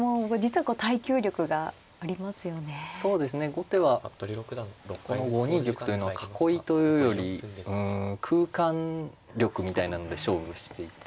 後手はこの５二玉というのは囲いというよりうん空間力みたいなので勝負していて。